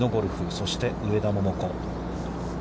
そして、上田桃子。